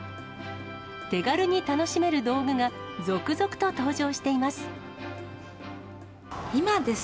手軽に楽しめる道具が続々と登場しています。